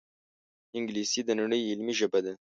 انګلیسي د نړۍ علمي ژبه ده